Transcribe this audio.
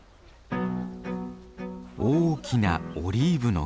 大きなオリーブの木。